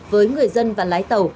với người dân và lái tàu